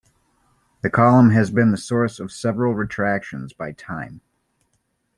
The column has been the source of several retractions by "Time".